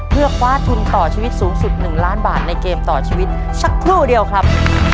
เพื่อคว้าทุนต่อชีวิตสูงสุด๑ล้านบาทในเกมต่อชีวิตสักครู่เดียวครับ